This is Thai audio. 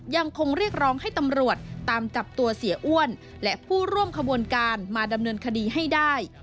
ยังคงเรียกร้องให้ตำรวจตามจับตัวเสียอ้วนและผู้ร่วมขบวนการมาดำเนินคดีให้ได้